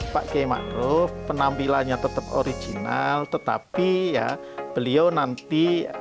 pak k maruf penampilannya tetap original tetapi ya beliau nanti